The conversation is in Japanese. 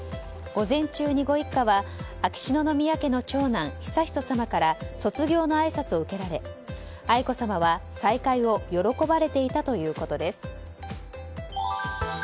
午前中にご一家は秋篠宮家の長男・悠仁さまから卒業のあいさつを受けられ愛子さまは再会を喜ばれていたということです。